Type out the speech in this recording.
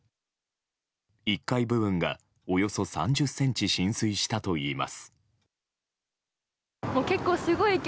１階部分が、およそ３０ｃｍ浸水したといいます。